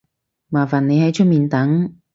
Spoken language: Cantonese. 麻煩你喺出面等